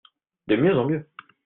De mieux en mieux.